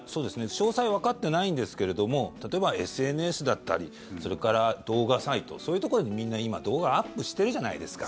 詳細はわかってないんですけども例えば、ＳＮＳだったりそれから動画サイトそういうところで、みんな今動画アップしてるじゃないですか